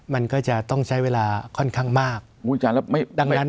มันก็จะต้องใช้เวลาค่อนข้างมากอุ้ยจารแล้วไม่ดังนั้น